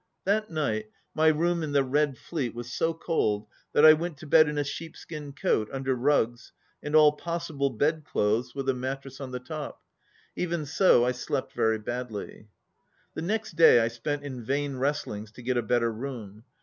That night my room in the Red Fleet was so cold that I went tojied in a sheepskin coat under rugs and all possible bedclothes with a mattress on the top. Even so I slept very badly. The next day I spent in vain wrestlings to get a better room.